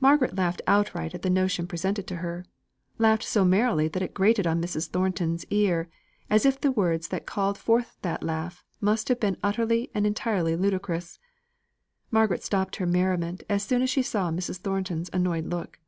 Margaret laughed outright at the notion presented to her; laughed so merrily that it grated on Mrs. Thornton's ear, as if the words that called forth that laugh, must have been utterly and entirely ludicrous. Margaret stopped her merriment as soon as she saw Mrs. Thornton's annoyed look.